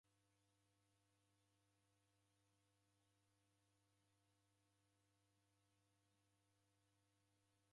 Huw'u kwaki W'akalenjini na W'ajaluo w'imerie kazi na isi bado?